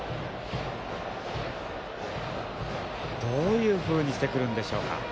どういうふうにしてくるんでしょうか。